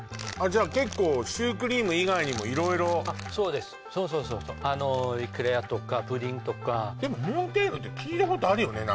じゃあ結構シュークリーム以外にも色々そうですそうそうそうそうエクレアとかプリンとかでもモンテールって聞いたことあるよね